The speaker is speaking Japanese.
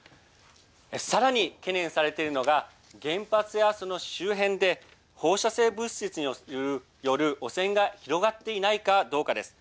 さらに懸念されているのが原発や、その周辺で放射性物質による汚染が広がっていないかどうかです。